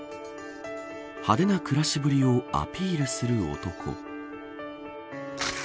派手な暮らしぶりをアピールする男。